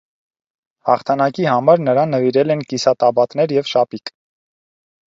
Հաղթանակի համար նրան նվիրել են կիսատաբատներ և շապիկ։